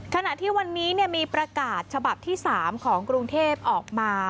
ขณะที่วันนี้มีประกาศฉบับที่๓ของกรุงเทพออกมา